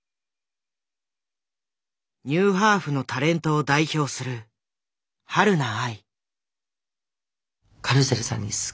ニューハーフのタレントを代表するはるな愛。